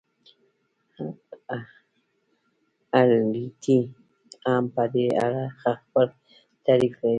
اریټي هم په دې اړه خپل تعریف لري.